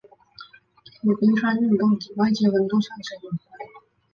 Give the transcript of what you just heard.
由冰川运动及外界温度上升有关。